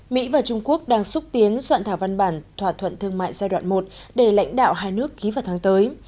mỹ và trung quốc đang xúc tiến soạn thảo văn bản thỏa thuận thương mại giai đoạn một để lãnh đạo hai nước ký vào tháng tới